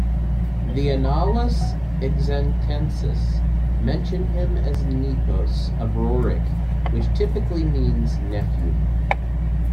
The Annales Xantenses mention him as "nepos" of Rorik which typically means "nephew".